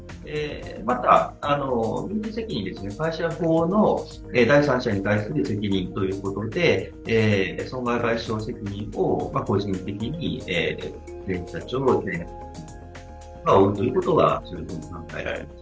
また、民事責任、会社法の第三者に対する責任ということで、損害賠償責任を個人的に前社長が負うということは考えられます。